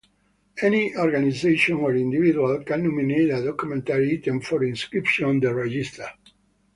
Any organization or individual can nominate a documentary item for inscription on the Register.